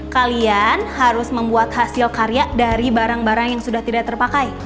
kalian harus membuat hasil karya dari barang barang yang sudah tidak terpakai